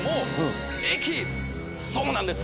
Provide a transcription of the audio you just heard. そうなんです。